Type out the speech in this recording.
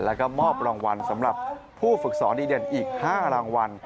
แล้วก็มอบรางวัลสำหรับผู้ฝึกสอนดีเด่นอีก๕รางวัล